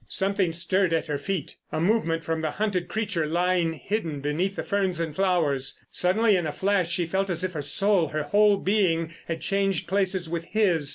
Something stirred at her feet. A movement from the hunted creature lying hidden beneath the ferns and flowers. Suddenly, in a flash, she felt as if her soul, her whole being, had changed places with his.